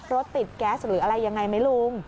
รถติดแก๊สหรืออะไรยังไงไหมลุง